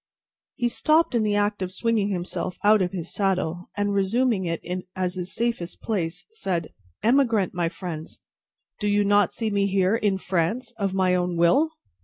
He stopped in the act of swinging himself out of his saddle, and, resuming it as his safest place, said: "Emigrant, my friends! Do you not see me here, in France, of my own will?"